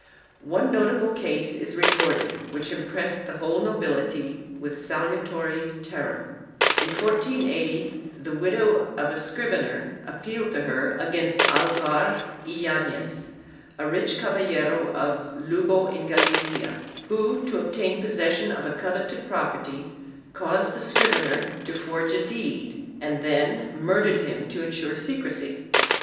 2 One nota ' ble case is recorded which impressed the whole nobility with salutary terror. In 1480 the widow of a scrivener appealed to her against Alvar Yanez, a rich caballero of Lugo in Galicia, who, to obtain possession of a coveted property, caused the scrivener to forge a deed and then murdered him to insure secrecy.